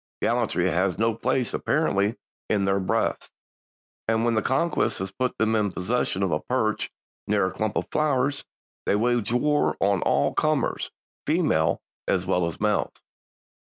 Gallantry has no place apparently in their breasts, and when conquest has put them in possession of a perch near a clump of flowers they wage war on all comers, females as well as males."